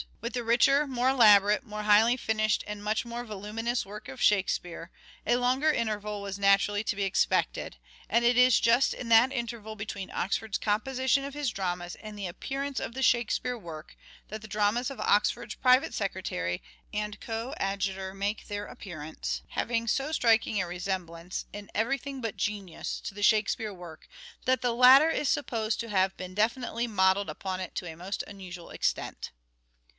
With the richer, more elaborate, more highly finished and much more voluminous work of " Shakespeare," a longer interval was naturally to be expected ; and it is just in that interval between Oxford's composition of his dramas and the appearance of the " Shakespeare " work that the dramas of Oxford's private secretary and coadjutor make their appearance, having so striking a resemblance, in MANHOOD OF DE VERE : MIDDLE PERIOD 337 everything but genius, to the " Shakespeare " work, that the latter is supposed to have been definitely modelled upon it to a most unusual extent.